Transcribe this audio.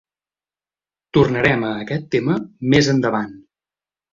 Tornarem a aquest tema més endavant.